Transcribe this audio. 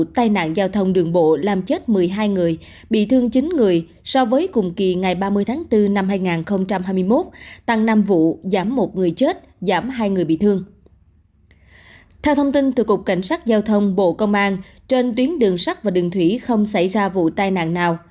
theo thông tin từ cục cảnh sát giao thông bộ công an trên tuyến đường sắt và đường thủy không xảy ra vụ tai nạn nào